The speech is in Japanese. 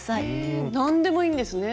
え何でもいいんですね。